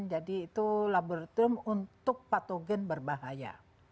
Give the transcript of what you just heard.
jadi itu laboratorium untuk patogen berbahaya